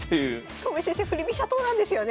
戸辺先生振り飛車党なんですよね。